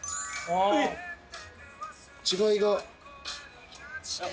違いが。